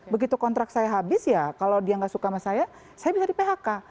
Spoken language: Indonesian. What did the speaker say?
begitu kontrak saya habis ya kalau dia nggak suka sama saya saya bisa di phk